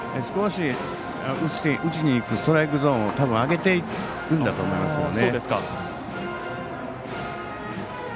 少し、打ちにいくストライクゾーンを上げてるんだと思います。